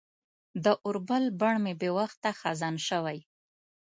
د اوربل بڼ مې بې وخته خزان شوی